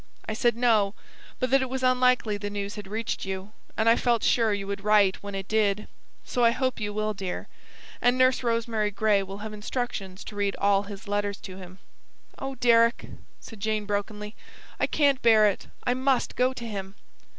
I said No, but that it was unlikely the news had reached you, and I felt sure you would write when it did. So I hope you will, dear; and Nurse Rosemary Gray will have instructions to read all his letters to him." "Oh, Deryck," said Jane brokenly, "I can't bear it! I must go to him!"